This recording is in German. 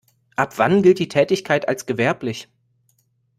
Ab wann gilt die Tätigkeit als gewerblich?